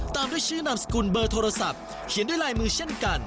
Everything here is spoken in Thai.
ตามด้วยชื่อนามสกุลเบอร์โทรศัพท์เขียนด้วยลายมือเช่นกัน